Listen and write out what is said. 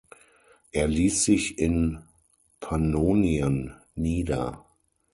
Er ließ sich in Pannonien nieder.